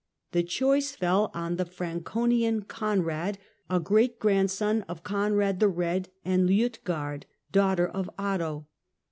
The choice fell on the Franconian Conrad, a great grandson of Conrad the Eed and Liutgarde, daughter of Otto I.